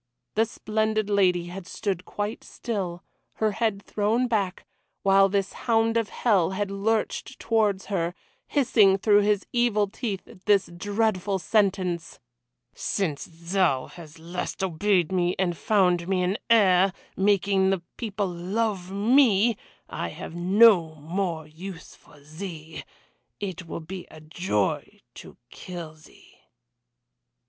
The splendid lady had stood quite still, her head thrown back, while this hound of hell had lurched towards her hissing through his evil teeth this dreadful sentence: "Since thou hast at last obeyed me and found me an heir, making the people love me, I have no more use for thee. It will be a joy to kill thee!"